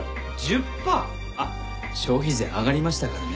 あっ消費税上がりましたからね。